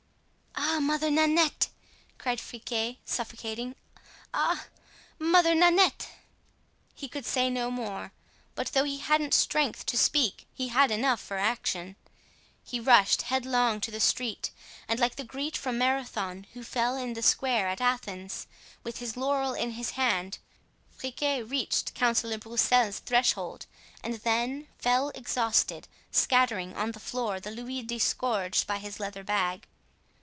"Ah! Mother Nanette!" cried Friquet, suffocating; "ah! Mother Nanette!" He could say no more; but though he hadn't strength to speak he had enough for action. He rushed headlong to the street, and like the Greek from Marathon who fell in the square at Athens, with his laurel in his hand, Friquet reached Councillor Broussel's threshold, and then fell exhausted, scattering on the floor the louis disgorged by his leather bag.